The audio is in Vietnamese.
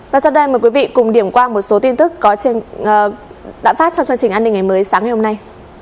và sau đây mời quý vị cùng điểm qua một số tin tức có đã phát trong chương trình an ninh ngày mới sáng ngày hôm nay